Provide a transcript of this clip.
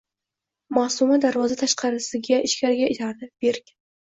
Maʼsuma darvoza tavaqasini ichkariga itardi. Berk.